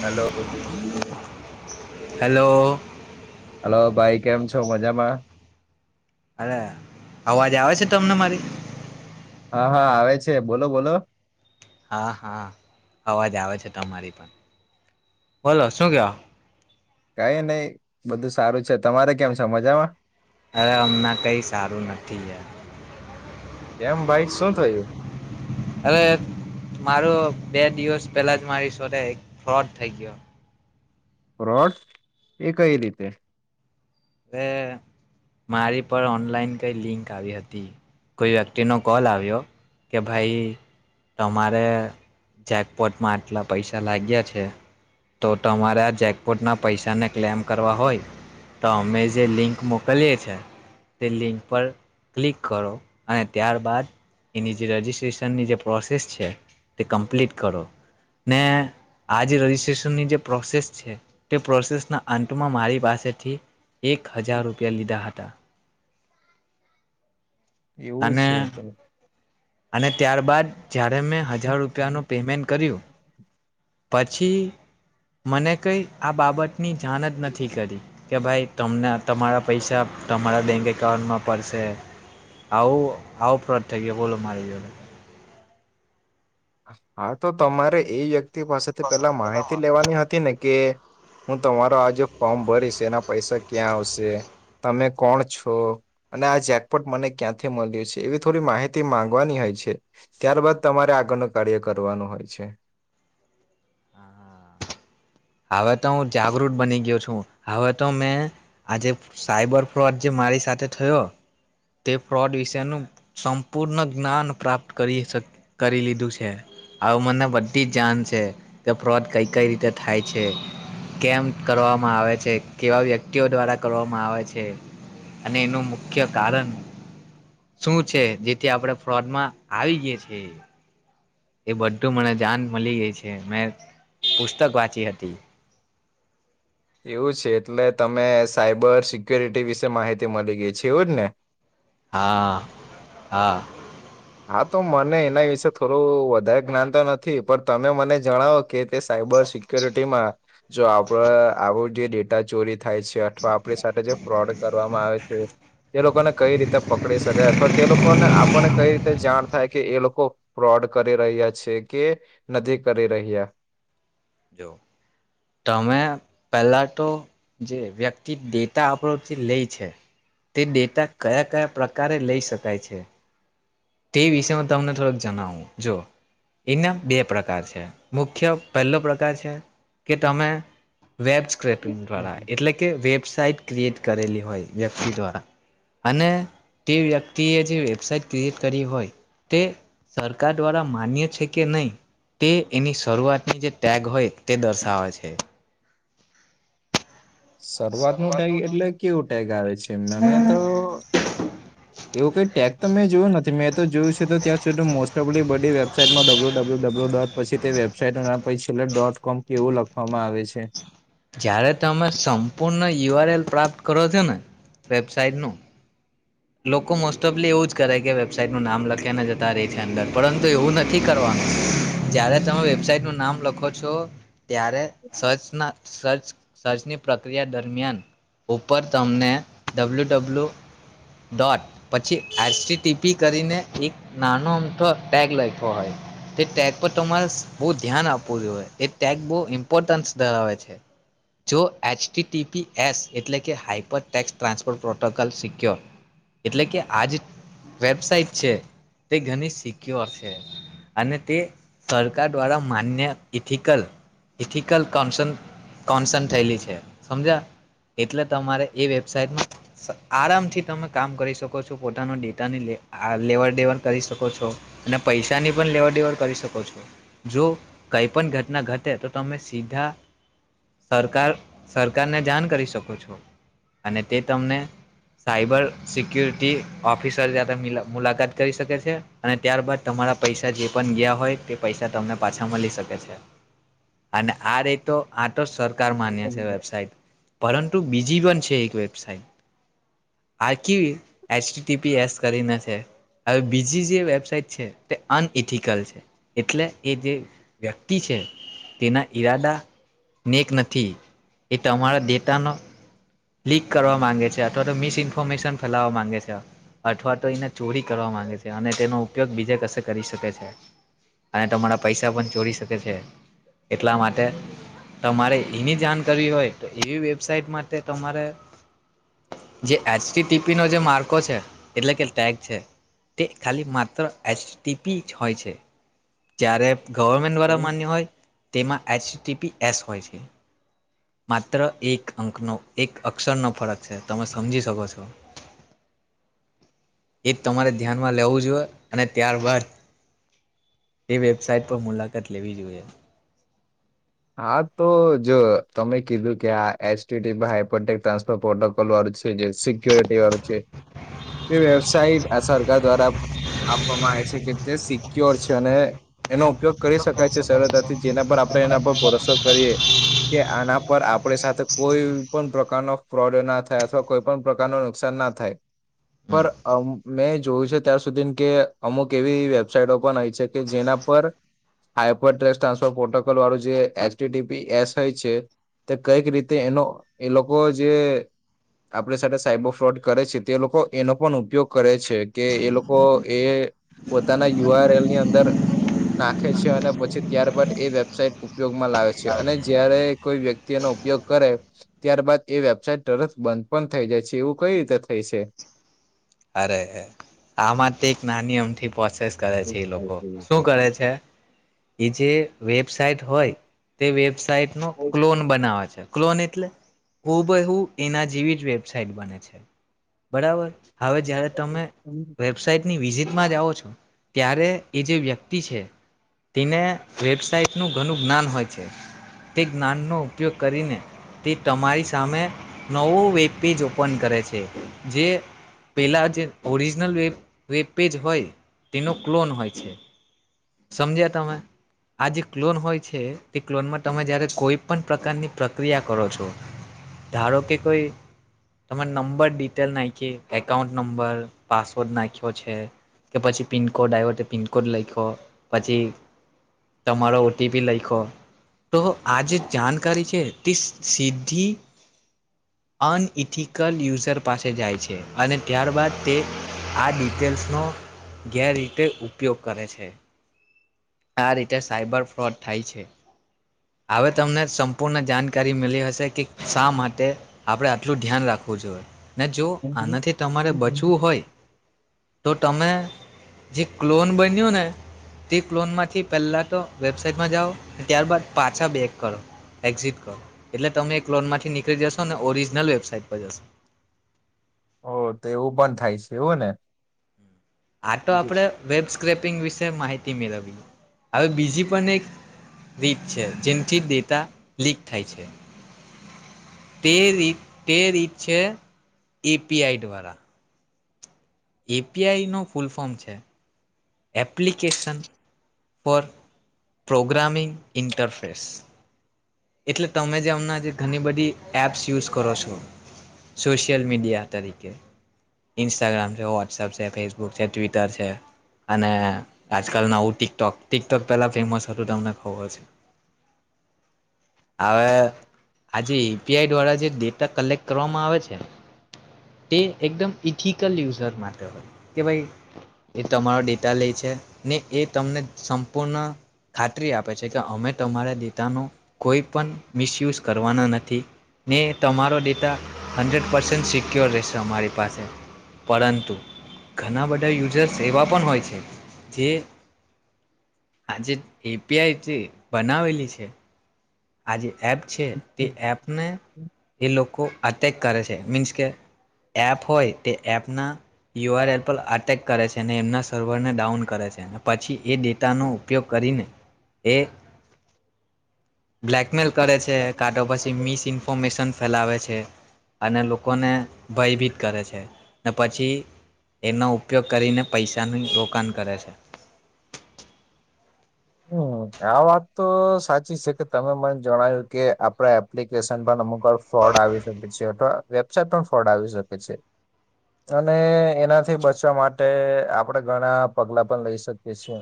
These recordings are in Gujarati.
હલો હલો હલો ભાઈ કેમ છો મજામાં? અરે અવાજ આવે છે તમને મારી? હા આવે છે બોલો બોલો. હા હા અવાજ આવે છે તમારી પણ, બોલો શું કેવો? કઈ નહી બધું સારું છે. તમારે કેમ છે મજામાં? અરે હમણાં કંઈ સારું નથી યાર. કેમ ભાઈ શું થયું? અરે મારો બે દિવસ પેલા જ મારી સોથે એક ફ્રોડ થઈ ગયો. ફ્રોડ એ કઈ રીતે? અવે મારી પર ઓનલાઈન કઈ લિંક આવી હતી. કોઈ વ્યક્તિનો કોલ આવ્યો કે ભાઈ તમારે જેકપોટમાં આટલા પૈસા લાગ્યા છે, તો તમારે આ જેકપોટના પૈસાને ક્લેમ કરવા હોય તો અમે જે લિંક મોકલીએ છે. તે લિંક પર ક્લિક કરો અને ત્યારબાદ એની જે રજીિસ્ટ્રેશનની જે પ્રોસેસ છે તે કમ્પ્લીટ કરો ને આ જે રજીસ્ટ્રેશનની જે પ્રોસેસ છે તે પ્રોસેસના અંતમાં મારી પાસેથી એક હજાર રૂપિયા લીધા હતા. એવું અને છે તો અને ત્યારબાદ જ્યારે મેં હજાર રૂપિયાનું પેમેન્ટ કર્યું પછી મને કઈ આ બાબતની જાણ જ નથી કરી કે ભાઈ તને તમારા પૈસા તમારા બેંક એકાઉન્ટમાં પડશે આવું આવો ફોડ થઈ ગયો બોલો મારી જોડે હા તો તમારે એ વ્યક્તિ પાસેથી પેલા માહિતી લેવાની હતી ને કે હું તમારો આ જે ફોર્મ ભરીશ એના પૈસા ક્યાં આવશે તમે કોણ છો અને આ જેકપટ મને ક્યાંથી મળ્યું છે એવી થોડી માહિતી માંગવાની હોય છે ત્યારબાદ તમારે આગળનો કાર્ય કરવાનું હોય છે. હવે તો હું જાગૃત બની ગયો છું હવે તો મેં આજે સાઈબર ફ્રોડ જે મારી સાથે થયો તે ફ્રોડ વિશેનું સંપૂર્ણ જ્ઞાન પ્રાપ્ત કરી કરી લીધું છે હ મને બધી જ જાણ છે કે ફ્રોડ કઈ કઈ રીતે થાય છે કેમ કરવામાં આવે છે કેવા વ્યક્તિઓ દ્વારા કરવામાં આવે છે અને એનું મુખ્ય કારણ શું છે જેથી આપણે ફ્રોડમાં આવી ગય છે. એ બધું મને જાન મળી ગય છે મેં પુસ્તક વાંચી હતી. એવું છે એટલે તમે સાયબર સિક્ય્યોરિટી વિશે માહિતી મળી ગઈ છે એવું જ ને હા હા. હા તો મને એના વિશે થોડું વધારે જ્ઞાનતા નથી પણ તમે મને જણાવો કે સાયબર સિકુરિટીમાં જો આપડ આવું જેે ચોરી. થાય છે અથવા આપણી સાથે જે ફ્રોડ કરવામાં આવે છે તે લોકોને કઈ રીતે પકડી શકાય અથવા તે લોકોને આપને જાણ થાય કે એ લોકો ફ્રોડ કરી રહ્યા છે કે નથી કરી રહ્યા જો તમે પહેલા તો જે વ્યક્તિ ડેટા આપણથી લે છે. તે ડેટા કયા કયા પ્રકારે લઈ શકાય છે. તે વિષ તમને થોડોક જણાવું જો એને બે પ્રકાર છે મુખ્ય પહેલો પ્રકાર છે કે તમે વેબ સ્ક્રેપિંગ દ્વારા એટલે કે વેબસાઇટ ક્રિએટ કરેલી હોય વ્યક્તિ દ્વારા અને તે વ્યક્તિએ જે વેબસાઇટ ક્રિએટ કરી હોય તે સરકાર દ્વારા માન્ય છે કે નહી તે એની શરૂઆતની જે ટેગ હોય તે દર્શાવે છે. શરૂઆત ન ટેગ એટલે કેવું ટેગ આવે છે એમને તો એવું કઈ ટેગ તો મેં જોયું નથી મેં તો જોયું છે તો ત્યાં સુધી મોસ્ટ ઓફલી બધી વેબસાાઈટમાં ડબલ્યુ ડબલ્યુ ડબલ્યુ ડોટ પછી તે વેબસાાઈટ પલર ડોટ કોમ કેવું લખવામાં આવે છે. જયારે તમે સંપૂર્ણ યુ આર એલ પ્રાપ્ત કરો છો ને વેબસાાઈટ નુ લોકો મોસ્ટ ઓફલી એવું જ કરે કે વેબસાાઈટનું નામ લખ્યાને જતા રહે છે અંદર પરંતુ એવું નથી કરવાનું જ્યારે તમે વેબસાાઈટનું નામ લખો છો ત્યારે સર્ચના સર્ચની પ્રક્રિયા દરમિયાન ઉપર તમને ડબલ્યુ ડબલ્યુ ડોટ પછી એચ ટીપી કરીને એક નાનો અમથો ટેગ લખ્યો હોય તે ટેગ પર તમારે બહુ ધ્યાન આપવું જોય એ ટેગ બહ ઇમ્પોર્ટન્સ ધરાવે છે જો એચ ટી એસ એટલે કે હાઈપર ટેક્સ ટ્રાન્સપો પ્રોટોકોલ સિક્યોર. એટલે કે આજ વેબસાાઈટ છે તે ઘણી સિક્યોર છે અને તે સરકાર દ્વારા માન્ય ઇથિકલ ઇથિકલ કોન્સ કોન્સ થયેલી છે સમજા એટલે તમારે એ વેબસાાઈટમાં આરામથી તમે કામ કરી શકો છો પોતાનો ડેટાની લેવડ દેવડ કરી શકો છો અને પૈસાની પણ લેવડ દેવડ કરી શકો છો જો કંઈ પણ ઘટના ઘટે તો તમે સીધા સરકાર સરકારને જાણ કરી શકો છો અને તે તમને સાયબર સિક્યુરિટી ઓફિસર જા મુલાકાત કરી શકે છે અને ત્યારબાદ તમારા પૈસા જે પણ ગયા હોય તે પૈસા તમને પાછા મળી શકે છે અને આ રેતો આ સરકાર માન્ય છે વેબસાઇટ પરંતુ બીજી પણ છે એક વેબસાઇટ આ કેવી એચડી ટટીપી એસ કરીને છે હવે બીજી જે વેબસાઇટ છે તે અનઇથિકલ છે એટલે એ જે વ્યક્તિ છે તેના ઈરાદા નેક નથી એ તમારા ડેટાનો લીક કરવા માંગે છે અથવા તો મિસ ઇન્ફોર્મેશન ફેલાવવા માંગે છે અથવા તો એને ચોરી કરવા માંગે છે અને તેનો ઉપયોગ બીજે કસે કરી શકે છે અને તમારા પૈસા પણ ચોરી શકે છે એટલા માટે તમારે એની જાણ કરવી હોય તો એવી વેબસાઇટ માટે તમારે જે એચ ટી ટી પીનો જે માર્કો છે એટલે કે ટેગ છે તે ખાલી માત્ર એચ ટી પી જ હોય છે. ત્યારે ગવર્મેન્ટ દ્વારા માન્ય હોય તેમાં એચ ટી પી એસ હોય છે માત્ર એક અંકનો એક અક્ષરનો ફરક છે તમે સમજી શકો છો એ તમારે ધ્યાનમાં લેવું જોઈએ અને ત્યારબાદ એ વેબસાઇટ પર મુલાકાત લેવી જોઈએ. હા તો જો તમે કીધું કે આ એસટી હપટેક ટ્રાન્સપોર્ પ્રોટોકોલ વાળું છે જે સિક્યોરિટી વાળું છે તે વેબસાઇટ આ સરકાર દ્વારા આપવામાં આવે છે કે તે સિક્યોર છે અને એનો ઉપયોગ કરી શકાય છે સરળતાથી જેના પર આપણે એના પર કરીએ કે આના પર આપણી સાથે કોઈ પણ પ્રકારનો ફ્રોડ ના થાય અથવા કોઈ પણ પ્રકાર ન નુકસાન ના થાય પર હમ અ મેંજ જોયું છે ત્યાં સુધી કે અમુક એવી વેબસાાઈટો પણ હોય છે કે જેના પર હાઈપર ટ્રેક્ ટ્રાન્સફર પોર્ટકોલ વાળું જે H T T P S હોય છે તે કઈક રીતે એનો એ લોકો જે આપડી સાથે સાયબર ફ્રોડ કરે છે તે લોકો એનો પણ ઉપયોગ કરે છે કે એ લોકો એ પોતાના યુઆર એલ ની અંદર નાખે છે અને પછી ત્યારબાદ એ વેબસાઇટ ઉપયોગમાં લાવે છે અને જયારે કોઈ વ્યક્તિ એનો ઉપયોગ કરે ત્યારબાદ એ વેબસાઇટ તરત બંધ પણ થઈ જાય છે એવું કઈ રીતે થઈ છે. અરે રે આમાં તો એક નાની અમથી પ્રોસેસ કરે છે એ લોકો શું કરે છે? એ જે વેબ સાઇટ હોય તે વેબસાઇટ નો ક્લોન બનાવે છે ક્લોન એટલે હું બ હું એના જેવી જ વેબસાઇટ બને છે બરાબર હવે જયારે તમે વેબસાાઈટની વિઝિટમાં જાઓ [inaudible] ત્યારે એ જે વ્યક્તિ પી છે. તને વેબસઇટ ન ઘણું જ્ઞાન હોય છે તે જ્ઞાનનો ઉપયોગ કરીને તે તમારી સામે નવો વેબ પેજ ઓપન કરે છે જે પહેલાં જે ઓરિજનલ વેબ વેબ પેજ હોય તેનો ક્લોન હોય છે. સમજ્યા તમે આ જે ક્લોન હોય છે તે ક્લોનમાં તમે જયારે કોઈ પણ પ્રકારની પ્રક્રિયા કરો છો ધારો કે કોઈ તમે નંબર ડિટેલ નાખી એકાઉન્ટ નંબર પાસવર્ડ નાખ્યો છે કે પછી પિનકોડ આયવો પિનકોડ લયખો પછી તમારો ઓટીપી લખો તો આ જે જાણકારી છે તે સીધી અનઇથિકલ યુઝર પાસે જાય છે અને ત્યારબાદ તે આ ડિટેલ્સનો ગેરરીતે ઉપયોગ કરે છે. આ રીતે સાઈબર ફ્રોડ થાય છે હવે તમને સંપૂર્ણ જાણકારી મળી હશે કે શા માટે આપણે આટલું ધ્યાન રાખવું જોઈએ. ને જો આનાથી તમારે બચવું હોય તો તમે જે ક્લોન બન્યું ને તે ક્લોન માંથી પહેલા તો વેબસાાઈટમાં જાઓ ત્યારબાદ પાછા બેક કરો એક્ઝિટ કરો એટલે તમે એ ક્લોન માંથી નીકળી જશો ને ઓરિજિનલ વેબસાાઈટ પર જશો. ઓ તો એવું પણ થાય છે એવું ને, આ તો આપડે વેબ સ્ક્રેપિંગ વિશે માહિ થી મેળવવી હવે બીજી પન એક રીત છે જેનથી ડેટા લીક થાય છે. તે રીત તે રીત છે એ-પી-આઈ દ્વારા એ-પી-આઈનો ફૂલ ફોર્મ છે. એપ્લિકેશન પર પ્રોગ્રામીંગ ઇન્ટરફેસ એટલે તમે જે અમણાં જે ઘણી બધી એપ્સ યુઝ કરો છો સોશિયલ મીડિયા તરીકે ઇન્સ્ટાગ્રામ છે વોટ્સઅપ છે ફેસબુક છે ટ્વિટર છે અને આજકાલ નવું ટિકટોક ટિકટોક પેલા ફેમસ હતું તમને ખબર છે. આવે આજે યુ પી આઈ દ્વારા જે ડેટા કલેક્ટ કરવામાં આવે છે તે એકદમ ઇથિકલ યુઝર માટે હોય કે ભાઇ એ તમારો ડેટા લેય છે ને એ તમને સંપૂર્ણ ખાતરી આપે છે કે અમે તમારા ડેટાનો કોઈ પણ મિસયુઝ કરવાના નથી ને તમારો ડેટા હન્ડ્રેડ પર્સેન્ટ સી સિક્યોર રહેશે અમારી પાસે પરંતુ ઘણા બધા યુઝર્સ એવા પણ હોય છે જે આજે એ પી આઈ છે. બનાવેલી છે. આજે. એપ છે તે એપને એ લોકો અટેક કરે છે મીન્સ કે એપ હોય તે એપના યુ આર એલ પર અટેક કરે છે ને એમના સર્વરને ડાઉન કરે છે પછી એ ડેટાનો ઉપયોગ કરીને એ બ્લેકમેલ કરે છે કાંતો પછી મિસ ઇન્ફોર્મેશન ફેલાવે છે. અને લોકોને ભયભીત કરે છે ને પછી એનો ઉપયોગ કરીને પૈસાનું રોકાણ કરે છે. હમ આ વાત તો સાચી છે કે તમે મને જણાવ્યું કે આપડા એપ્લિકેશન પણ અમુક પર ફ્રોડ આવી શકે છે અથવા વેબસાઇટ પણ ફ્રોડ આવી શકે છે અને એનાથી બચવા માટે આપડે ઘણા પગલા પણ લઈ શકીએ છીએ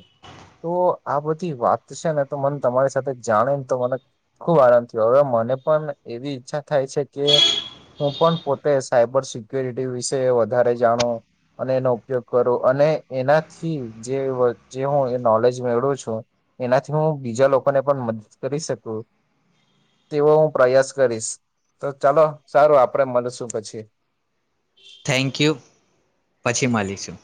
તો આ બધી વાત છે ને તો મને તમારી સાથે જાણે ને તો મને ખુબ આનંદ થયો હવે મને પણ એવી ઈચ્છા થાય છે કે હું પણ પોતે સાયબર સિક્યોરિટી વિશે વધારે જાણુ અને એનો ઉપયોગ કરું અને એનાથી જે વ હું એ નોલેજ મેળવુ છું એનાથી હું બીજા લોકોને પણ મદદ કરી શકું તેવો હું પ્રયાસ કરીશ તો ચાલો સારું આપડે મળશું પછી. Thank you. પછી મળલીશું.